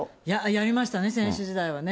やりましたね、選手時代はね。